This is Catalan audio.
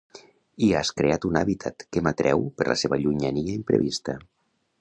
Hi has creat un hàbitat que m'atreu per la seva llunyania imprevista.